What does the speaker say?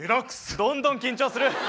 どんどん緊張する！